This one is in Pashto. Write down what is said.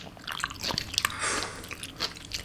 تودوخه د افغانانو د ګټورتیا برخه ده.